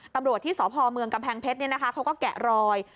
ตำรวจที่สพเมืองกำแพงเพชรเขาก็แกะรอย